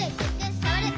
さわる！」